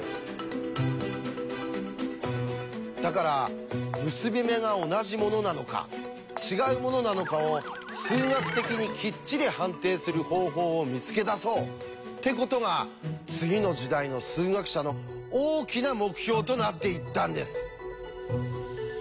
だから結び目が同じものなのか違うものなのかを数学的にきっちり判定する方法を見つけ出そうってことが次の時代の数学者の大きな目標となっていったんです。